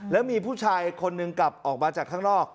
แล้วมีผู้ชายคนหนึ่งกลับออกมาจากข้างนอก